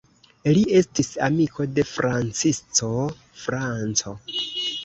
Li estis amiko de Francisco Franco.